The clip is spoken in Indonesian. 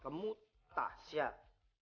kamu tak siap